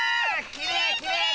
きれいきれい！